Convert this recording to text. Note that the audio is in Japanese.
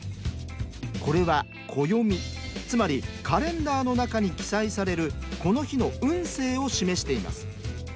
これは暦つまりカレンダーの中に記載されるこの日の運勢を示しています。